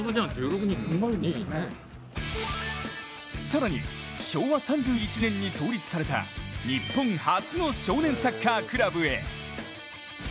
更に、昭和３１年に創立された日本初の少年サッカークラブへ。